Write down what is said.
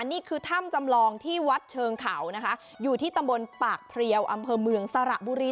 นี่คือถ้ำจำลองที่วัดเชิงเขานะคะอยู่ที่ตำบลปากเพลียวอำเภอเมืองสระบุรี